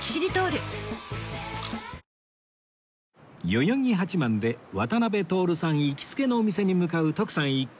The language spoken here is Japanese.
代々木八幡で渡辺徹さん行きつけのお店に向かう徳さん一行